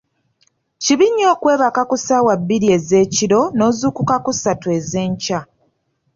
Kibi nnyo okweebaka ku ssaawa bbiri ez'ekiro n'ozuukuka ku ssatu ez'enkya.